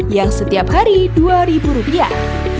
yang setiap hari dua ribu rupiah